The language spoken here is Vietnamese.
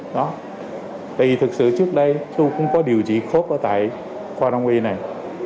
tại vì thực sự trước đây tôi cũng có điều trị khớp ở tại quang đông uy này